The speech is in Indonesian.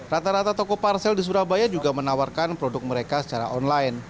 rata rata toko parsel di surabaya juga menawarkan produk mereka secara online